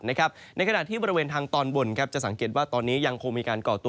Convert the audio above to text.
ในขณะที่บริเวณทางตอนบนจะสังเกตว่าตอนนี้ยังคงมีการก่อตัว